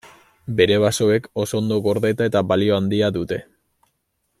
Bere basoek oso ondo gordeta eta balio handia dute.